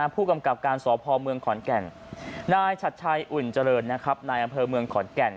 พอเมืองขอนแก่งนายชัดชายอุ่นเจริญนะครับนายอำเภอเมืองขอนแก่ง